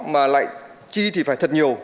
mà lại chi thì phải thật nhiều